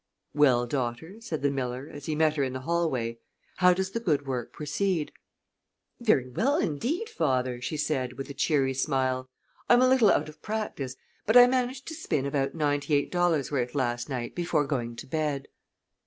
"Well, daughter," said the miller, as he met her in the hallway, "how does the good work proceed?" "Very well, indeed, father," she said, with a cheery smile. "I'm a little out of practise, but I managed to spin about ninety eight dollars' worth last night before going to bed."